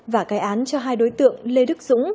và cái án cho hai đối tượng lê đức dũng